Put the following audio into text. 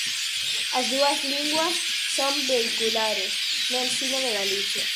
As dúas linguas son vehiculares no ensino de Galicia.